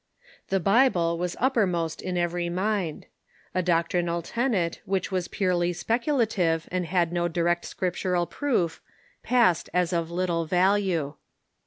The Bible was uppermost in every mind. A doctrinal tenet which was purely speculative, and had no direct Scriptural proof, passed as of little value.